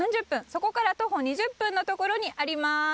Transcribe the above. そこから徒歩２０分のところにあります。